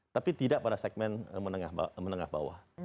tapi tidak pada segmen menengah bawah